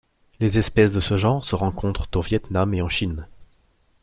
Les espèces de ce genre se rencontrent au Viêt Nam et en Chine.